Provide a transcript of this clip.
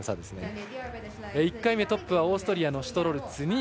１回目トップはオーストリアのシュトロルツ。